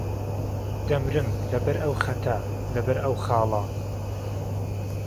دهمرم له بهر ئەو خهته له بهر ئەو خاڵه